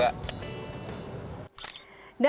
terima kasih juga